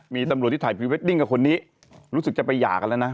มีตำรวจที่ถ่ายพรีเวดดิ้งกับคนนี้รู้สึกจะไปหย่ากันแล้วนะ